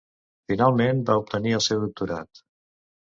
Finalment, va obtenir el seu doctorat.